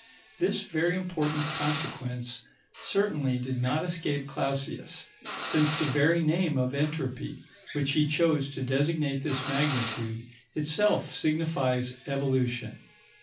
This very important consequence certainly did not escape Clausius, since the very name of entropy, which he chose to designate this magnitude, itself signifies evolution.